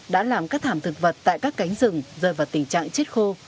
đã làm các thảm thực vật tại các cánh rừng rơi vào tình trạng chết khô